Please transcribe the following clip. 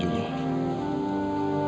cukup saja dia akan